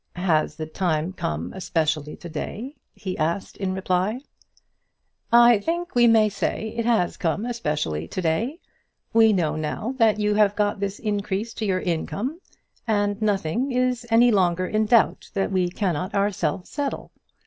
"Has the time come especially to day?" he asked in reply. "I think we may say it has come especially to day. We know now that you have got this increase to your income, and nothing is any longer in doubt that we cannot ourselves settle.